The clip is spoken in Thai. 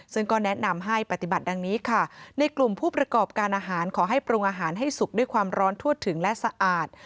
ซึ่งก็แนะนำให้ปฏิบัติดังนี้ค่ะในกลุ่มผู้ประกอบการอาหารขอให้ปรุงอาหารให้สุกด้วยความร้อนทั่วถึงและสะอาด